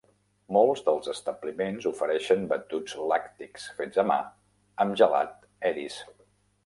Molts dels establiments ofereixen batuts lactis fets a mà amb gelat Edy's.